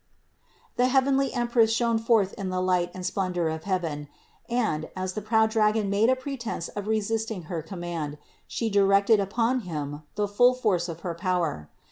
The heavenly Empress shone forth in the light and splendor of heaven; and, as the proud dragon made a pretence of resisting Her com mand, She directed upon him the full force of her power.